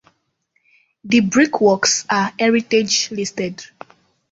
The brickworks are heritage-listed.